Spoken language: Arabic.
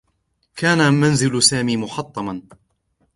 كان منزل سامي محطّما.